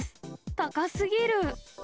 高すぎる。